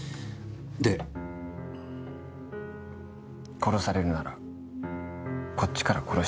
殺されるならこっちから殺してやるって。